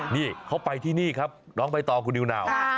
นี่เขาไปที่นี่ครับร้องไปต่อคุณดิวหน่าว